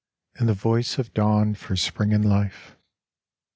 ' In the voice of dawn for Spring and Life.